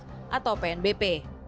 kepada negara bukan pajak atau pnbp